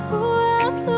kau bisa berusaha